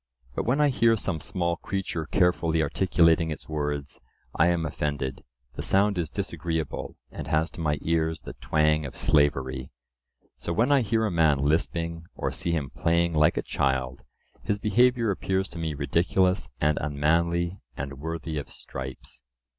But when I hear some small creature carefully articulating its words, I am offended; the sound is disagreeable, and has to my ears the twang of slavery. So when I hear a man lisping, or see him playing like a child, his behaviour appears to me ridiculous and unmanly and worthy of stripes.